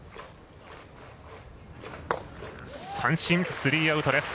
スリーアウトです。